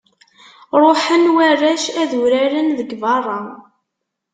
Ruḥen warrac ad uraren deg berra.